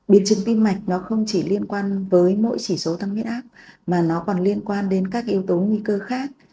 biệt chứng tim mạch không chỉ liên quan với mỗi chỉ số tăng nguyệt áp mà nó còn liên quan đến các yếu tố nguy cơ khác